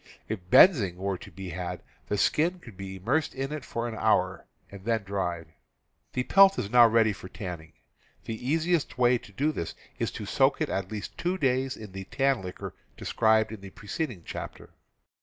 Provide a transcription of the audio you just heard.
If benzin were to be had, the skin could be immersed in it for an hour and then dried. The pelt is now ready for tanning. The easiest way to do this is to soak it at least two days in the tan liquor described in the preceding chapter.